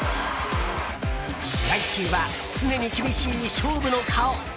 試合中は常に厳しい勝負の顔！